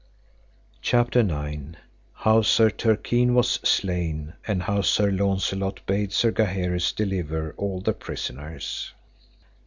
CHAPTER IX. How Sir Turquine was slain, and how Sir Launcelot bade Sir Gaheris deliver all the prisoners.